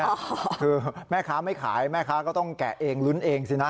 คือแม่ค้าไม่ขายแม่ค้าก็ต้องแกะเองลุ้นเองสินะ